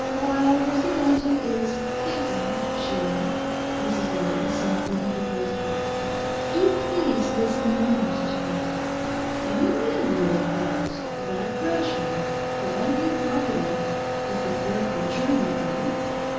'While Mr Danton is "thinking," Sheila,' Mrs Lovat was softly interposing, 'do please listen a moment to me. Do you mean really that that Frenchman—the one you've pocketed—is the poor creature in the grave?